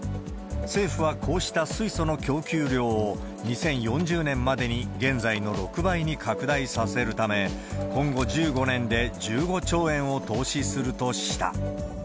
政府はこうした水素の供給量を、２０４０年までに現在の６倍に拡大させるため、今後１５年で１５兆円を投資するとした。